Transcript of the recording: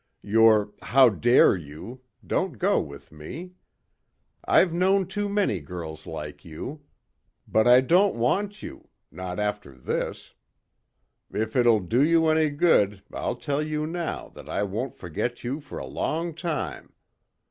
Your 'how dare you?' don't go with me. I've known too many girls like you. But I don't want you. Not after this. If it'll do you any good I'll tell you now that I won't forget you for a long time.